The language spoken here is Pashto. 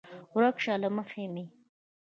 ورک شه له مخې مې!